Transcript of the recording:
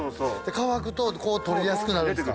乾くと取りやすくなるんすか。